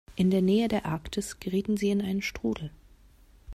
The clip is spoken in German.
In der Nähe der Arktis gerieten sie in einen Strudel.